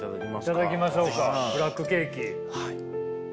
頂きましょうかブラックケーキ。